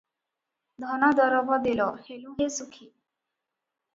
ଧନଦରବ ଦେଲ ହେଲୁଁ ହେ ସୁଖୀ